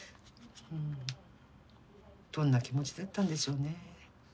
どんな気持ちだったんでしょうね。